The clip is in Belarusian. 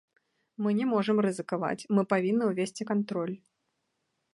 Мы не можам рызыкаваць, мы павінны ўвесці кантроль.